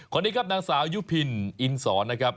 คนนี้ครับนางสาวยุพินอินสอนนะครับ